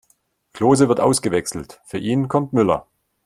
Klose wird ausgewechselt, für ihn kommt Müller.